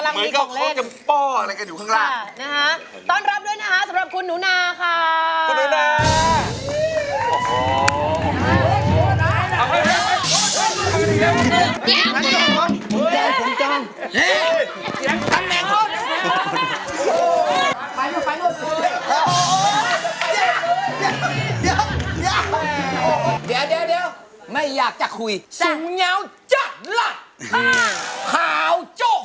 เหมือนกับเขาจะเป้าอะไรกันอยู่ข้างล่าง